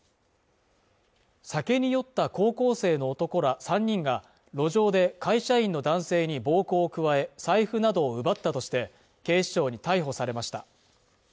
酒に酔った高校生の男ら３人が路上で会社員の男性に暴行を加え財布などを奪ったとして警視庁に逮捕されました